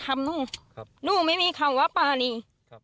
สร้างวงครรภาพพรภรรณี